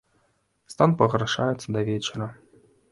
Стан пагаршаецца да вечара.